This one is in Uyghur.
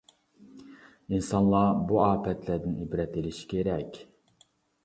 ئىنسانلار بۇ ئاپەتلەردىن ئىبرەت ئېلىشى كېرەك.